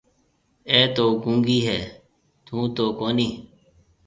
اَي تو گُونگِي هيَ ٿُون تو ڪونِي۔